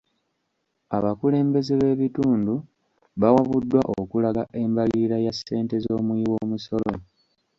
Abakulembeze b'ebitundu bawabuddwa okulaga embalirira ya ssente z'omuwi w'omusolo.